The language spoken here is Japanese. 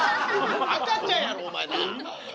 赤ちゃんやろお前なあ。